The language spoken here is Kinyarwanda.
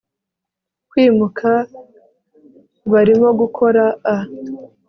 kwimuka barimo gukora a